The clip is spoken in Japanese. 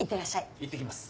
いってきます。